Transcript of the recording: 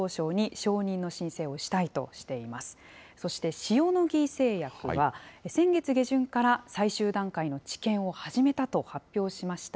そして塩野義製薬は、先月下旬から最終段階の治験を始めたと発表しました。